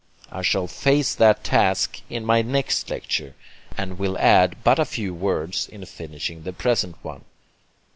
I shall face that task in my next lecture, and will add but a few words, in finishing the present one.